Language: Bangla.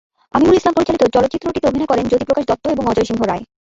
আমিনুল ইসলাম পরিচালিত চলচ্চিত্রটিতে অভিনয় করেন জ্যোতিপ্রকাশ দত্ত এবং অজয় সিংহরায়।